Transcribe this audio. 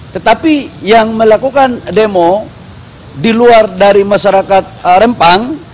tetapi yang melakukan demo di luar dari masyarakat rempang